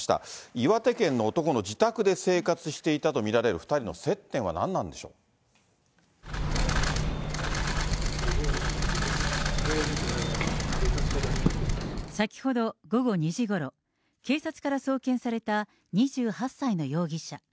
岩手県の男の自宅で住宅していたと見られる２人の接点はなんなの先ほど午後２時ごろ、警察から送検された２８歳の容疑者。